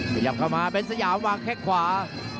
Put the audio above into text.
พยายามเข้ามาเบสสยามวางแค่ขวา